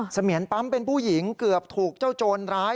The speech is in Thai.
เสมียนปั๊มเป็นผู้หญิงเกือบถูกเจ้าโจรร้าย